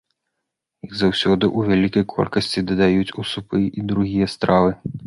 Іх заўсёды ў вялікай колькасці дадаюць у супы і другія стравы.